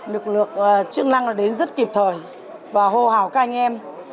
lực lượng chức năng là đến rất kịp thời và hồ hào các anh em